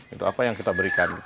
itu apa yang kita berikan